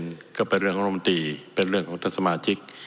เพราะไปเรื่องระดมีตรีเป็นเรื่องของท่านสมาชิก